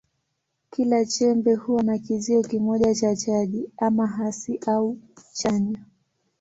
Kila chembe huwa na kizio kimoja cha chaji, ama hasi au chanya.